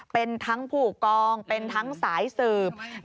เป็นทั้งผู้กองเป็นทั้งสายสืบ